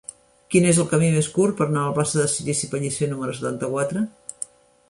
Quin és el camí més curt per anar a la plaça de Cirici Pellicer número setanta-quatre?